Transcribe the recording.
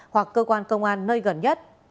hoặc cơ quan công an nơi gần nhất